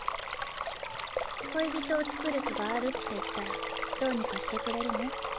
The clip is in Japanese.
恋人をつくる気があるって言ったらどうにかしてくれるの？